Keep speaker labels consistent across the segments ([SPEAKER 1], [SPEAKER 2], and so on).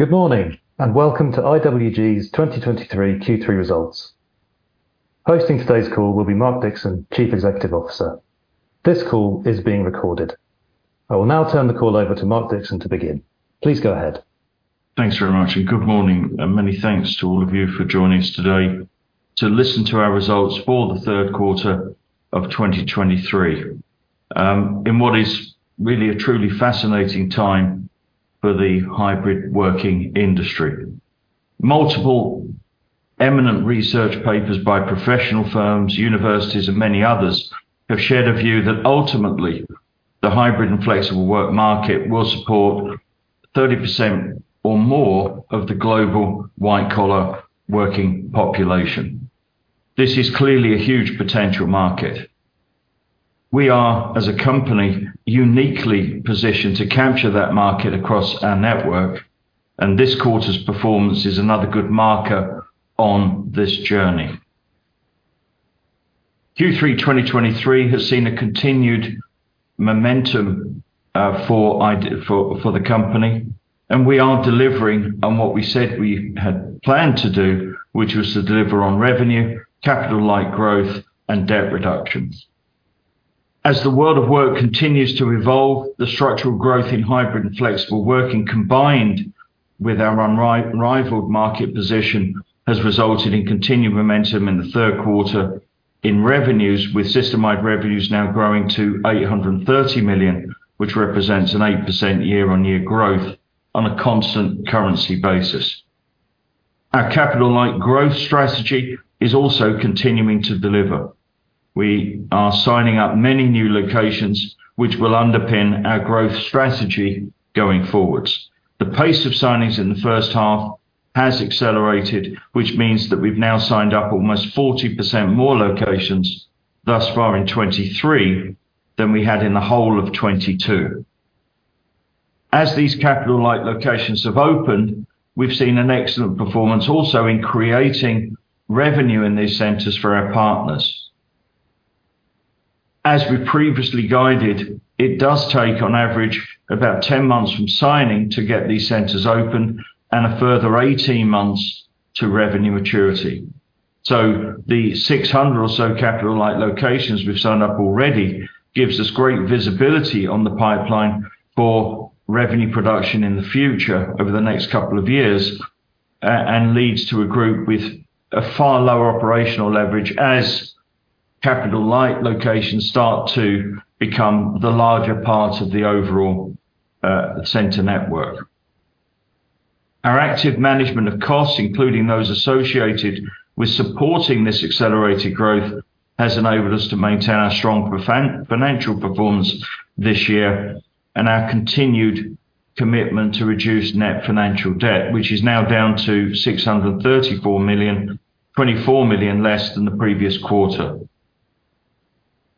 [SPEAKER 1] Good morning, and welcome to IWG's 2023 Q3 results. Hosting today's call will be Mark Dixon, Chief Executive Officer. This call is being recorded. I will now turn the call over to Mark Dixon to begin. Please go ahead.
[SPEAKER 2] Thanks very much, and good morning, and many thanks to all of you for joining us today to listen to our results for the third quarter of 2023. In what is really a truly fascinating time for the hybrid working industry. Multiple eminent research papers by professional firms, universities, and many others have shared a view that ultimately, the hybrid and flexible work market will support 30% or more of the global white-collar working population. This is clearly a huge potential market. We are, as a company, uniquely positioned to capture that market across our network, and this quarter's performance is another good marker on this journey. Q3 2023 has seen a continued momentum for the company, and we are delivering on what we said we had planned to do, which was to deliver on revenue, capital-light growth, and debt reductions. As the world of work continues to evolve, the structural growth in hybrid and flexible working, combined with our unrivaled market position, has resulted in continued momentum in the third quarter in revenues, with system-wide revenues now growing to 830 million, which represents an 8% year-on-year growth on a constant currency basis. Our capital-light growth strategy is also continuing to deliver. We are signing up many new locations, which will underpin our growth strategy going forwards. The pace of signings in the first half has accelerated, which means that we've now signed up almost 40% more locations thus far in 2023 than we had in the whole of 2022. As these capital-light locations have opened, we've seen an excellent performance also in creating revenue in these centers for our partners. As we previously guided, it does take, on average, about 10 months from signing to get these centers open and a further 18 months to revenue maturity. So the 600 or so capital-light locations we've signed up already gives us great visibility on the pipeline for revenue production in the future over the next couple of years, and leads to a group with a far lower operational leverage as capital-light locations start to become the larger part of the overall center network. Our active management of costs, including those associated with supporting this accelerated growth, has enabled us to maintain our strong financial performance this year and our continued commitment to reduce net financial debt, which is now down to 634 million, 24 million less than the previous quarter.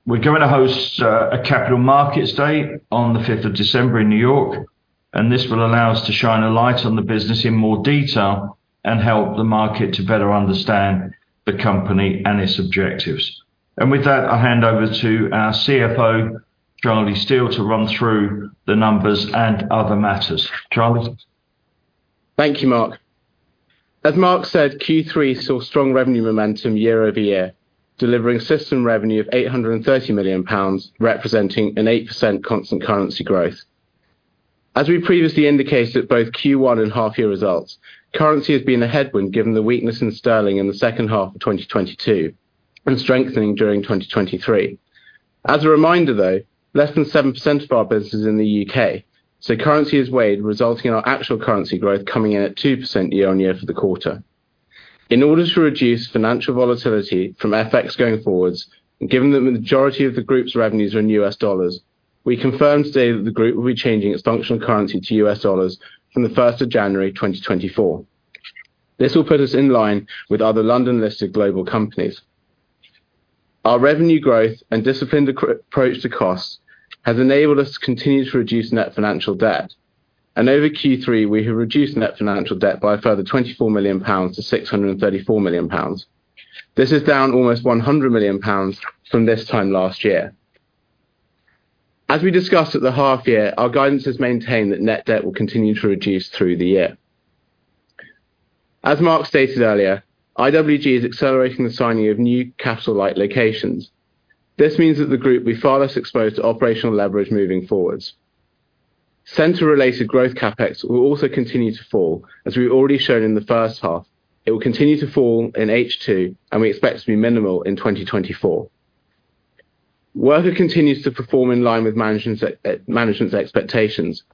[SPEAKER 2] We're going to host a Capital Markets Day on the fifth of December in New York, and this will allow us to shine a light on the business in more detail and help the market to better understand the company and its objectives. And with that, I'll hand over to our CFO, Charlie Steel, to run through the numbers and other matters. Charlie?
[SPEAKER 3] Thank you, Mark. As Mark said, Q3 saw strong revenue momentum year-over-year, delivering system revenue of 830 million pounds, representing an 8% constant currency growth. As we previously indicated at both Q1 and half-year results, currency has been a headwind, given the weakness in sterling in the second half of 2022 and strengthening during 2023. As a reminder, though, less than 7% of our business is in the U.K., so currency has weighed, resulting in our actual currency growth coming in at 2% year-on-year for the quarter. In order to reduce financial volatility from FX going forward, and given that the majority of the group's revenues are in U.S. dollars, we confirm today that the group will be changing its functional currency to U.S. dollars from the first of January 2024. This will put us in line with other London-listed global companies. Our revenue growth and disciplined approach to costs has enabled us to continue to reduce net financial debt, and over Q3, we have reduced net financial debt by a further 24 million pounds to 634 million pounds. This is down almost 100 million pounds from this time last year. As we discussed at the half year, our guidance has maintained that net debt will continue to reduce through the year. As Mark stated earlier, IWG is accelerating the signing of new capital-light locations. This means that the group will be far less exposed to operational leverage moving forwards. Center-related growth CapEx will also continue to fall, as we've already shown in the first half. It will continue to fall in H2, and we expect to be minimal in 2024. Worka continues to perform in line with management's expectations.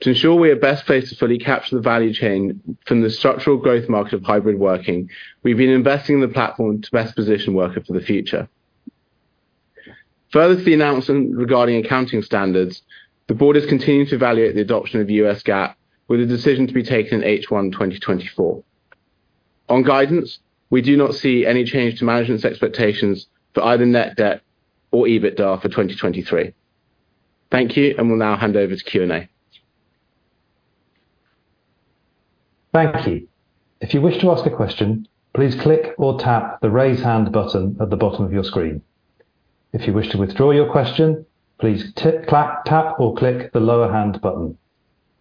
[SPEAKER 3] To ensure we are best placed to fully capture the value chain from the structural growth market of hybrid working, we've been investing in the platform to best position Worka for the future. Further to the announcement regarding accounting standards, the board is continuing to evaluate the adoption of the U.S. GAAP, with a decision to be taken in H1 2024. On guidance, we do not see any change to management's expectations for either net debt or EBITDA for 2023. Thank you, and we'll now hand over to Q&A.
[SPEAKER 1] Thank you. If you wish to ask a question, please click or tap the Raise Hand button at the bottom of your screen... If you wish to withdraw your question, please tap, click, tap, or click the Lower Hand button.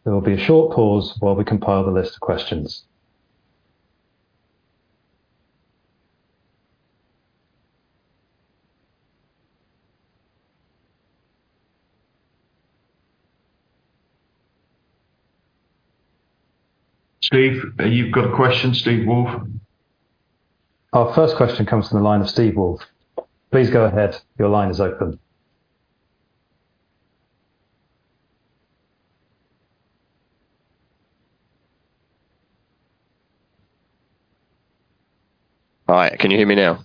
[SPEAKER 1] There will be a short pause while we compile the list of questions.
[SPEAKER 2] Steve, you've got a question, Steve Woolf?
[SPEAKER 1] Our first question comes from the line of Steve Woolf. Please go ahead. Your line is open.
[SPEAKER 4] Hi, can you hear me now?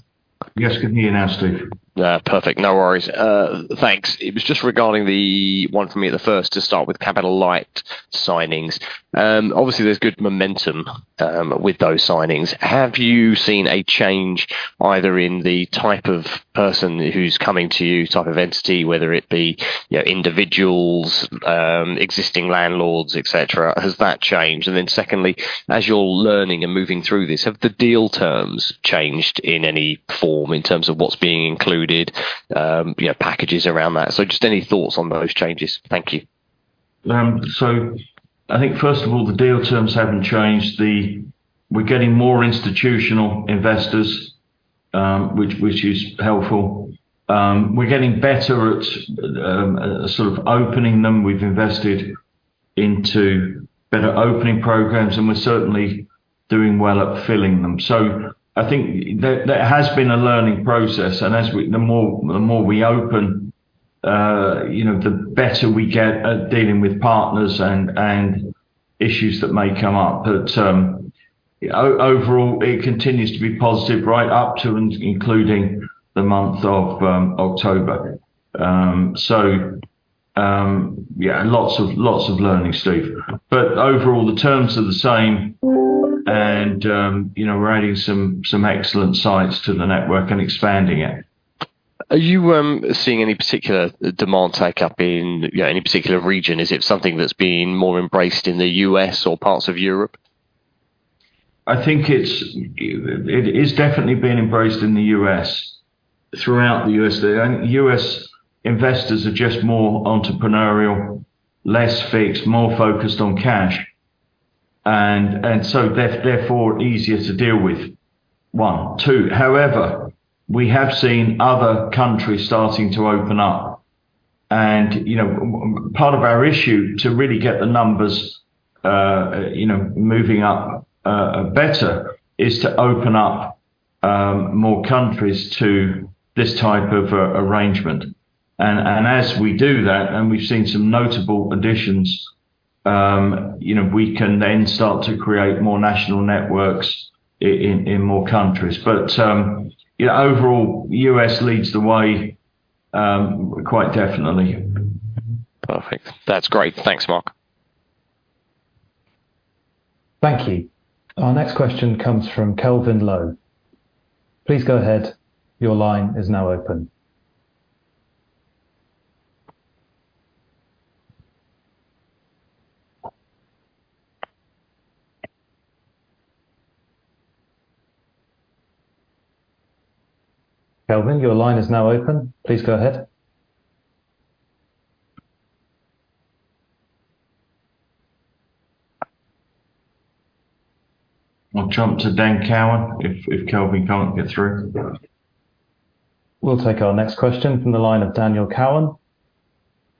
[SPEAKER 2] Yes, can hear you now, Steve.
[SPEAKER 4] Perfect. No worries. Thanks. It was just regarding the one for me at the first to start with capital-light signings. Obviously, there's good momentum with those signings. Have you seen a change either in the type of person who's coming to you, type of entity, whether it be, you know, individuals, existing landlords, et cetera? Has that changed? And then secondly, as you're learning and moving through this, have the deal terms changed in any form in terms of what's being included, you know, packages around that? So just any thoughts on those changes. Thank you.
[SPEAKER 2] So I think, first of all, the deal terms haven't changed. We're getting more institutional investors, which is helpful. We're getting better at, sort of opening them. We've invested into better opening programs, and we're certainly doing well at filling them. So I think there has been a learning process, and as we the more we open, you know, the better we get at dealing with partners and issues that may come up. But overall, it continues to be positive, right up to and including the month of October. So yeah, lots of learning, Steve. But overall, the terms are the same, and you know, we're adding some excellent sites to the network and expanding it.
[SPEAKER 4] Are you seeing any particular demand take up in any particular region? Is it something that's being more embraced in the U.S. or parts of Europe?
[SPEAKER 2] I think it is definitely being embraced in the U.S., throughout the U.S. U.S. investors are just more entrepreneurial, less fixed, more focused on cash, and so, therefore, easier to deal with, one. Two, however, we have seen other countries starting to open up, and, you know, part of our issue to really get the numbers, you know, moving up, better, is to open up more countries to this type of arrangement. And as we do that, and we've seen some notable additions, you know, we can then start to create more national networks in more countries. But, you know, overall, U.S. leads the way, quite definitely.
[SPEAKER 4] Perfect. That's great. Thanks, Mark.
[SPEAKER 1] Thank you. Our next question comes from Kelvin Lo. Please go ahead. Your line is now open. Kelvin, your line is now open. Please go ahead.
[SPEAKER 2] I'll jump to Dan Cowan, if Kelvin can't get through.
[SPEAKER 1] We'll take our next question from the line of Daniel Cowan.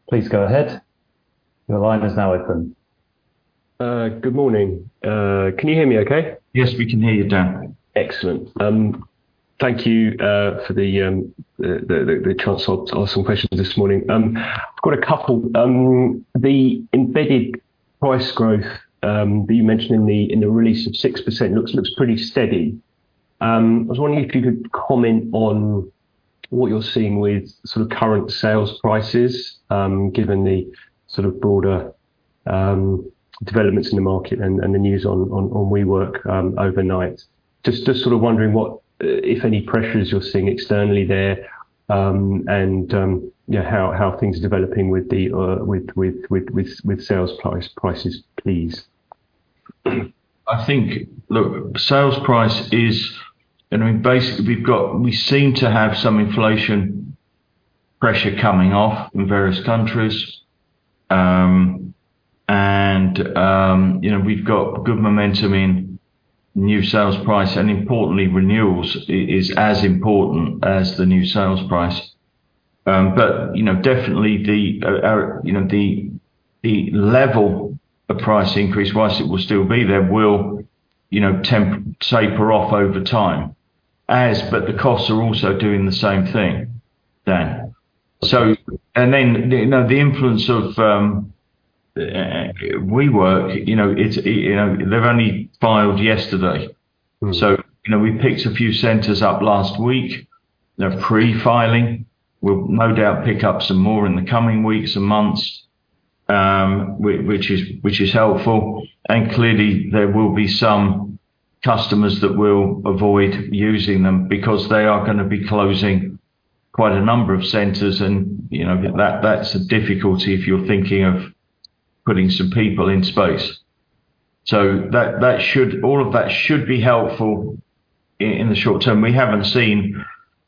[SPEAKER 1] Please go ahead. Your line is now open.
[SPEAKER 5] Good morning. Can you hear me okay?
[SPEAKER 1] Yes, we can hear you, Daniel.
[SPEAKER 5] Excellent. Thank you for the chance to ask some questions this morning. I've got a couple. The embedded price growth that you mentioned in the release of 6% looks pretty steady. I was wondering if you could comment on what you're seeing with sort of current sales prices, given the sort of broader developments in the market and the news on WeWork overnight. Just sort of wondering what, if any, pressures you're seeing externally there, and yeah, how things are developing with the sales price, prices, please.
[SPEAKER 2] I think, look, sales price is. And I mean, basically, we've got—we seem to have some inflation pressure coming off in various countries. And you know, we've got good momentum in new sales price, and importantly, renewals is as important as the new sales price. But you know, definitely the level of price increase, whilst it will still be there, will, you know, taper off over time. But the costs are also doing the same thing, Dan. So and then, you know, the influence of WeWork, you know, it's, you know, they've only filed yesterday.
[SPEAKER 5] Mm.
[SPEAKER 2] So, you know, we picked a few centers up last week. They're pre-filing. We'll no doubt pick up some more in the coming weeks and months, which is helpful. And clearly, there will be some customers that will avoid using them because they are gonna be closing quite a number of centers, and, you know, that's a difficulty if you're thinking of putting some people in space... So that should, all of that should be helpful in the short term. We haven't seen,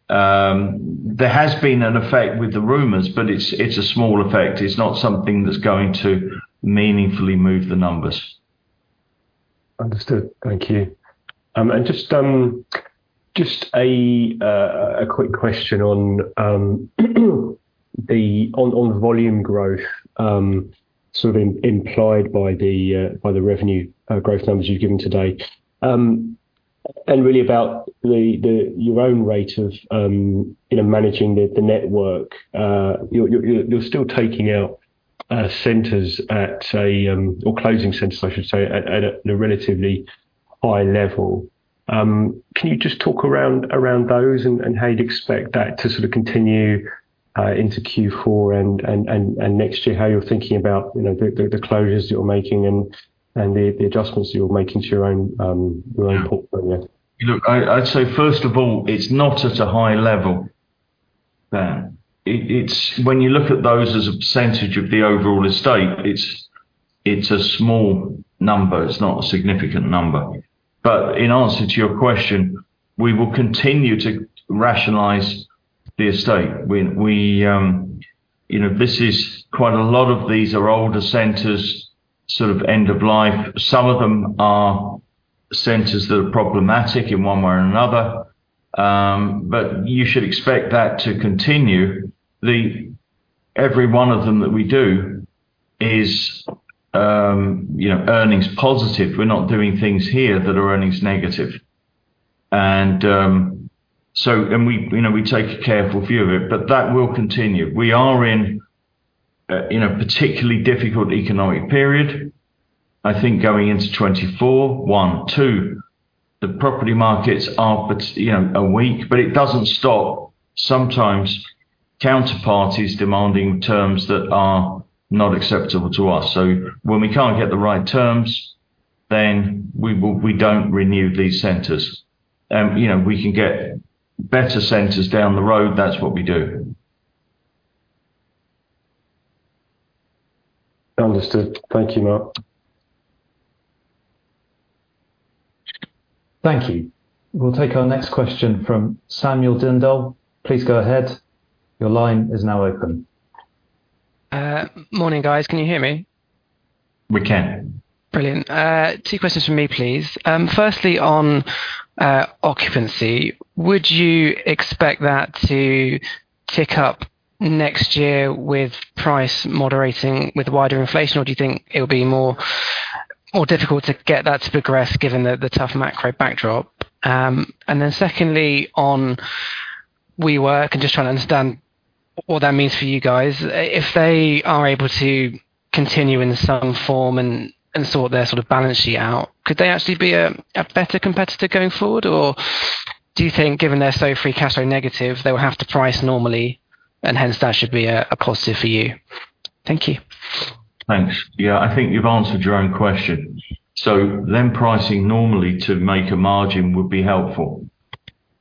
[SPEAKER 2] there has been an effect with the rumors, but it's a small effect. It's not something that's going to meaningfully move the numbers.
[SPEAKER 5] Understood. Thank you. And just a quick question on the volume growth, sort of implied by the revenue growth numbers you've given today. And really about your own rate of, you know, managing the network. You're still taking out centers at a or closing centers, I should say, at a relatively high level. Can you just talk around those and how you'd expect that to sort of continue into Q4 and next year? How you're thinking about, you know, the closures you're making and the adjustments you're making to your own portfolio?
[SPEAKER 2] Look, I'd say, first of all, it's not at a high level there. It's when you look at those as a percentage of the overall estate, it's a small number. It's not a significant number. But in answer to your question, we will continue to rationalize the estate. We, you know, this is quite a lot of these are older centers, sort of end of life. Some of them are centers that are problematic in one way or another, but you should expect that to continue. Every one of them that we do is, you know, earnings positive. We're not doing things here that are earnings negative. And, so, and we, you know, we take a careful view of it, but that will continue. We are in a particularly difficult economic period, I think, going into 2024, 1. Two, the property markets, you know, are weak, but it doesn't stop sometimes counterparties demanding terms that are not acceptable to us. So when we can't get the right terms, then we will. We don't renew these centers. You know, we can get better centers down the road, that's what we do.
[SPEAKER 5] Understood. Thank you, Mark.
[SPEAKER 1] Thank you. We'll take our next question from Sam Dindol. Please go ahead. Your line is now open.
[SPEAKER 6] Morning, guys. Can you hear me?
[SPEAKER 1] We can.
[SPEAKER 6] Brilliant. Two questions from me, please. Firstly, on occupancy, would you expect that to tick up next year with price moderating with wider inflation, or do you think it'll be more difficult to get that to progress given the tough macro backdrop? And then secondly, on WeWork, I'm just trying to understand what that means for you guys. If they are able to continue in some form and sort their sort of balance sheet out, could they actually be a better competitor going forward? Or do you think, given they're so free cash flow negative, they will have to price normally, and hence that should be a positive for you? Thank you.
[SPEAKER 2] Thanks. Yeah. I think you've answered your own question. So them pricing normally to make a margin would be helpful.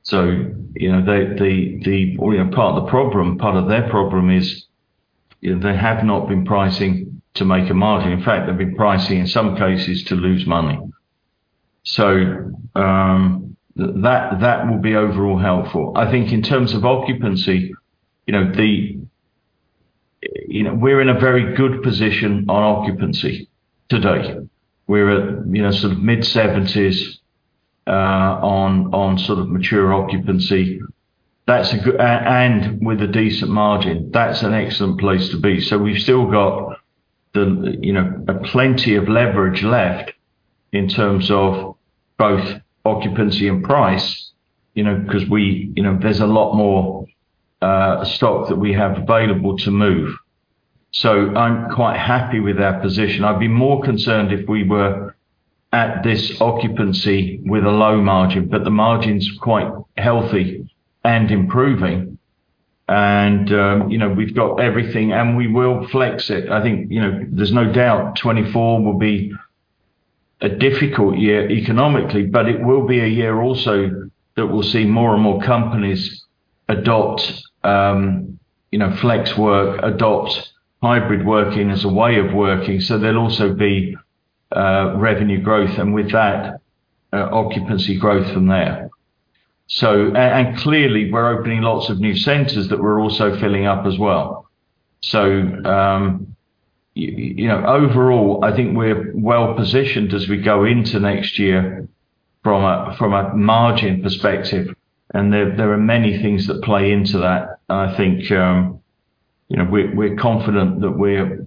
[SPEAKER 2] So, you know, part of the problem, part of their problem is, you know, they have not been pricing to make a margin. In fact, they've been pricing, in some cases, to lose money. So, that will be overall helpful. I think in terms of occupancy, you know, You know, we're in a very good position on occupancy today. We're at, you know, sort of mid-seventies, on sort of mature occupancy. That's a good and with a decent margin, that's an excellent place to be. So we've still got the, you know, plenty of leverage left in terms of both occupancy and price, you know, 'cause we, you know, there's a lot more stock that we have available to move. So I'm quite happy with our position. I'd be more concerned if we were at this occupancy with a low margin, but the margin's quite healthy and improving and, you know, we've got everything, and we will flex it. I think, you know, there's no doubt 2024 will be a difficult year economically, but it will be a year also that we'll see more and more companies adopt, you know, flex work, adopt hybrid working as a way of working, so there'll also be revenue growth, and with that, occupancy growth from there. So, and, and clearly, we're opening lots of new centers that we're also filling up as well. So, you know, overall, I think we're well positioned as we go into next year from a margin perspective, and there are many things that play into that. I think, you know, we're confident that we're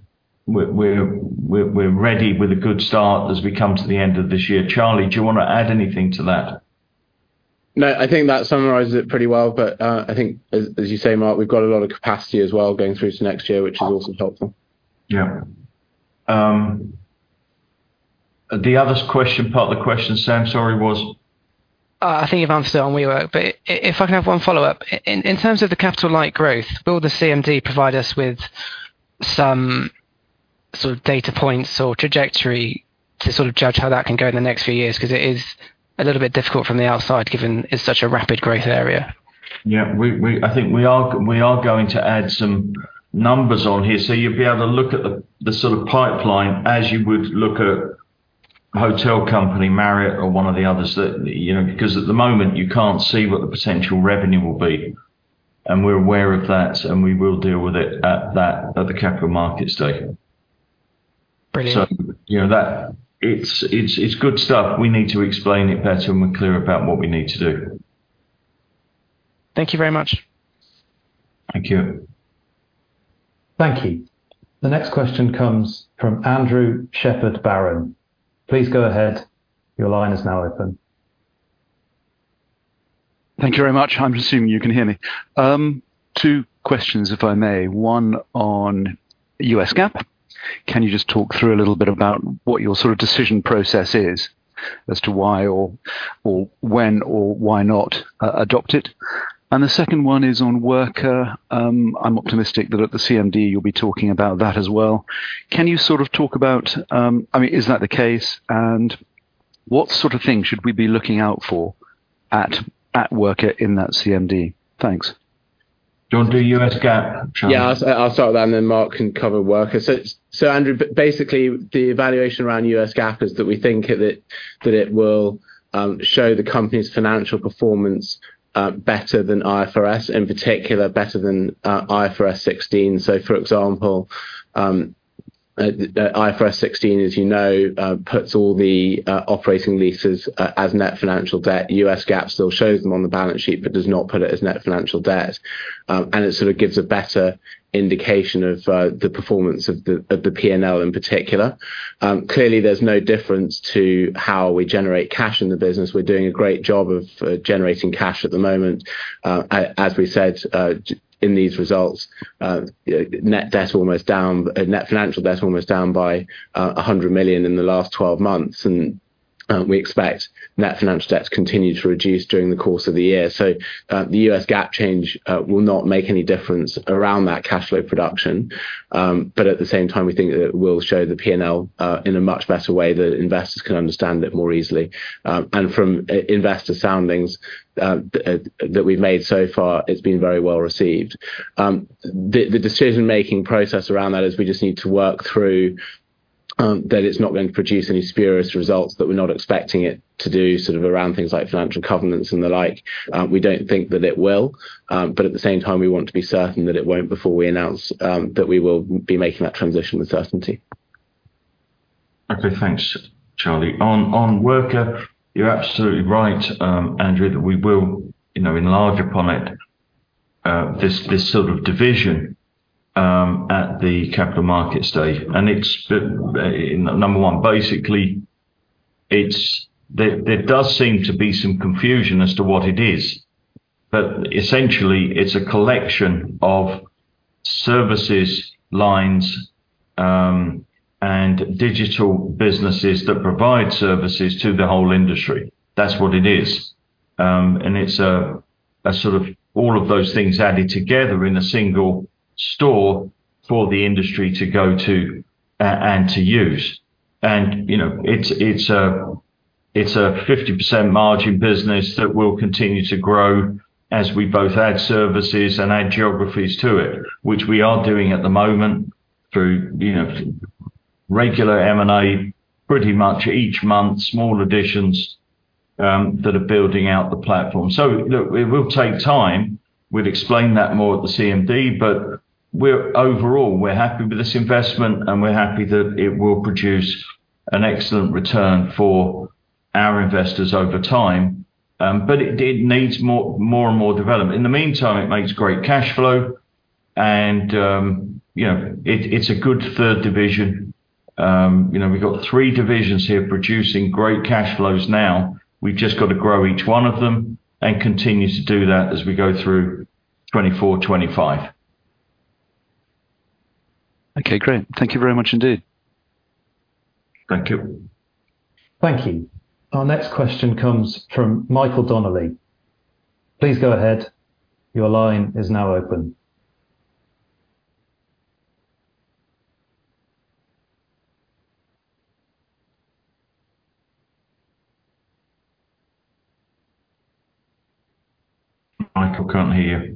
[SPEAKER 2] ready with a good start as we come to the end of this year. Charlie, do you wanna add anything to that?
[SPEAKER 6] No, I think that summarizes it pretty well, but I think as you say, Mark, we've got a lot of capacity as well going through to next year, which is also helpful.
[SPEAKER 2] Yeah. The other question, part of the question, Sam, sorry, was?
[SPEAKER 6] I think you've answered it on WeWork, but if I can have one follow-up. In terms of the capital-light growth, will the CMD provide us with some sort of data points or trajectory to sort of judge how that can go in the next few years? 'Cause it is a little bit difficult from the outside, given it's such a rapid growth area....
[SPEAKER 2] Yeah, we—I think we are going to add some numbers on here, so you'll be able to look at the sort of pipeline as you would look at hotel company, Marriott, or one of the others that, you know? Because at the moment, you can't see what the potential revenue will be, and we're aware of that, and we will deal with it at the Capital Markets Day.
[SPEAKER 6] Brilliant.
[SPEAKER 2] So you know that it's good stuff. We need to explain it better, and we're clear about what we need to do.
[SPEAKER 6] Thank you very much.
[SPEAKER 2] Thank you.
[SPEAKER 1] Thank you. The next question comes from Andrew Shepherd-Barron. Please go ahead. Your line is now open.
[SPEAKER 7] Thank you very much. I'm assuming you can hear me. Two questions, if I may. One on US GAAP. Can you just talk through a little bit about what your sort of decision process is as to why or, or when or why not, adopt it? And the second one is on Worka. I'm optimistic that at the CMD, you'll be talking about that as well. Can you sort of talk about, I mean, is that the case, and what sort of things should we be looking out for at, at Worka in that CMD? Thanks.
[SPEAKER 2] Do you want to do U.S. GAAP, Charlie?
[SPEAKER 3] Yeah, I'll start with that, and then Mark can cover Worka. So, Andrew, basically, the evaluation around US GAAP is that we think that it will show the company's financial performance better than IFRS, in particular, better than IFRS 16. So, for example, the IFRS 16, as you know, puts all the operating leases as net financial debt. US GAAP still shows them on the balance sheet, but does not put it as net financial debt. And it sort of gives a better indication of the performance of the P&L in particular. Clearly, there's no difference to how we generate cash in the business. We're doing a great job of generating cash at the moment. As we said, in these results, net debt almost down—net financial debt, almost down by 100 million in the last 12 months, and we expect net financial debt to continue to reduce during the course of the year. So, the U.S. GAAP change will not make any difference around that cash flow production. But at the same time, we think it will show the P&L in a much better way, that investors can understand it more easily. And from investor soundings that we've made so far, it's been very well received. The decision-making process around that is we just need to work through that it's not going to produce any spurious results that we're not expecting it to do, sort of around things like financial covenants and the like. We don't think that it will, but at the same time, we want to be certain that it won't before we announce that we will be making that transition with certainty.
[SPEAKER 2] Okay, thanks, Charlie. On Worka, you're absolutely right, Andrew, that we will, you know, enlarge upon it, this sort of division at the Capital Markets Day. And it's number one, basically, it's. There does seem to be some confusion as to what it is, but essentially it's a collection of services, lines, and digital businesses that provide services to the whole industry. That's what it is. And it's a sort of all of those things added together in a single store for the industry to go to, and to use. You know, it's a 50% margin business that will continue to grow as we both add services and add geographies to it, which we are doing at the moment through, you know, regular M&A, pretty much each month, small additions that are building out the platform. So look, it will take time. We'll explain that more at the CMD, but we're overall, we're happy with this investment, and we're happy that it will produce an excellent return for our investors over time. But it needs more and more development. In the meantime, it makes great cash flow and, you know, it's a good third division. You know, we've got three divisions here producing great cash flows now. We've just got to grow each one of them and continue to do that as we go through 2024, 2025.
[SPEAKER 7] Okay, great. Thank you very much indeed.
[SPEAKER 2] Thank you.
[SPEAKER 1] Thank you. Our next question comes from Michael Donnelly. Please go ahead. Your line is now open.
[SPEAKER 8] Michael, can't hear you.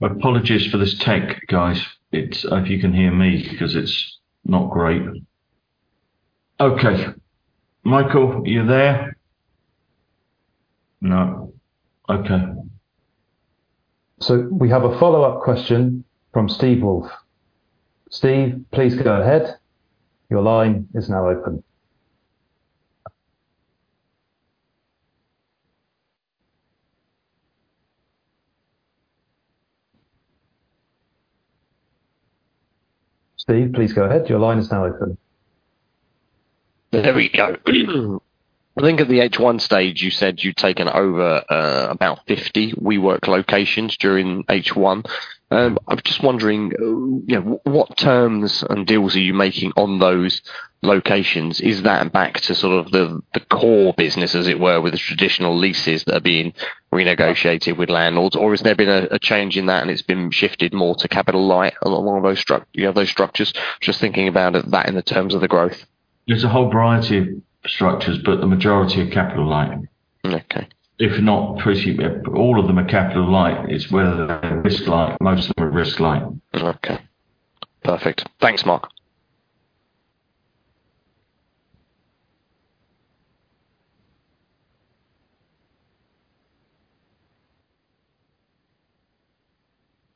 [SPEAKER 8] Apologies for this tech, guys. It's... If you can hear me, 'cause it's not great. Okay, Michael, are you there? No. Okay.
[SPEAKER 1] We have a follow-up question from Steve Woolf. Steve, please go ahead. Your line is now open. Steve, please go ahead. Your line is now open.
[SPEAKER 4] There we go. I think at the H1 stage, you said you'd taken over about 50 WeWork locations during H1. I'm just wondering, you know, what terms and deals are you making on those locations? Is that back to sort of the core business, as it were, with the traditional leases that are being renegotiated with landlords? Or has there been a change in that and it's been shifted more to capital-light along those structures? Just thinking about it, that in the terms of the growth.
[SPEAKER 2] There's a whole variety of structures, but the majority are capital-light.
[SPEAKER 4] Okay.
[SPEAKER 2] If not, all of them are capital light. It's whether they're risk light. Most of them are risk light.
[SPEAKER 4] Okay, perfect. Thanks, Mark.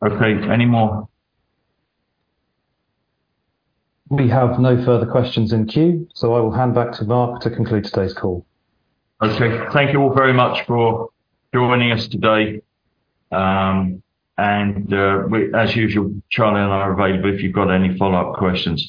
[SPEAKER 2] Okay, any more?
[SPEAKER 1] We have no further questions in queue, so I will hand back to Mark to conclude today's call.
[SPEAKER 2] Okay. Thank you all very much for joining us today. We, as usual, Charlie and I are available if you've got any follow-up questions.